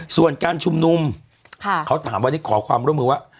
ส่วนการชุมนุมเขาถามวันนี้ขอความร่วมมือว่า